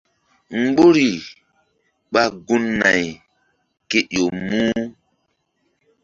Mgbori ɓa gun- nay kéƴo muh.